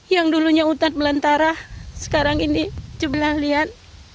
yang dulunya utat melantara sekarang ini jublah liat